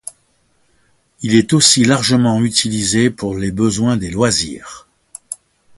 Il est aussi largement utilisé pour les besoins des loisirs.